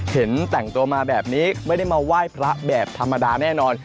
เห็นแต่งตัวมาแบบนี้ไม่ได้มาไหว้พระแบบธรรมดาแน่นอน